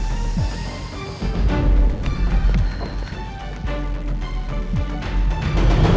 aku mau ke tempat kamu